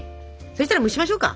そしたら蒸しましょうか。